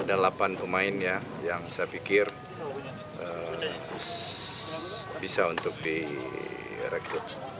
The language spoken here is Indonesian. ada delapan pemainnya yang saya pikir bisa untuk direkrut